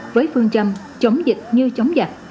với phương châm chống dịch như chống dạch